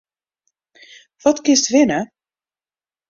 Wat kinst winne?